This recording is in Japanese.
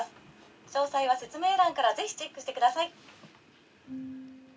詳細は説明欄からぜひチェックしてください」。